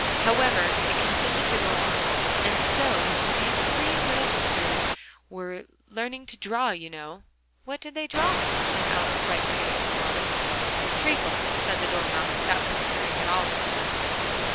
However it consented to go on. "And so these three little sisters they were learning to draw, you know " "What did they draw?" said Alice, quite forgetting her promise. "Treacle," said the Dormouse, without considering at all this time.